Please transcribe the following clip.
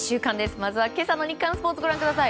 まずは今朝の日刊スポーツご覧ください。